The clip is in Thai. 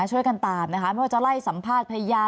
ช่วยกันตามนะคะไม่ว่าจะไล่สัมภาษณ์พยาน